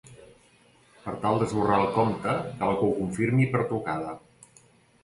Per tal d'esborrar el compte cal que ho confirmi per trucada.